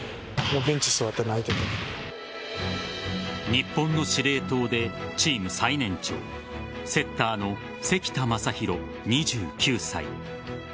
日本の司令塔で、チーム最年長セッターの関田誠大、２９歳。